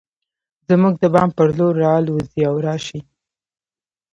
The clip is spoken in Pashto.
زموږ د بام پر لور راوالوزي او راشي